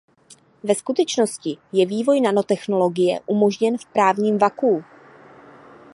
Ve skutečnosti je vývoj nanotechnologie umožněn v právním vakuu.